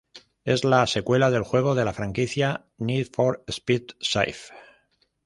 Es la secuela del juego de la franquicia "Need for Speed Shift".